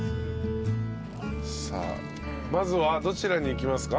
さあまずはどちらに行きますか？